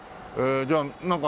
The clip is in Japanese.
じゃあなんか今